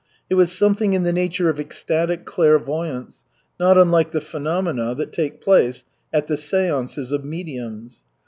It was something in the nature of ecstatic clairvoyance, not unlike the phenomena that take place at the seances of mediums.